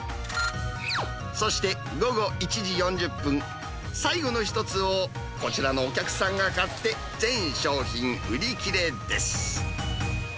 そして午後１時４０分、最後の１つをこちらのお客さんが買って、全商品売り切れです。